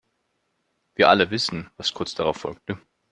Wir alle wissen, was kurz darauf folgte.